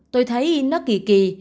tôi thấy nó kỳ kỳ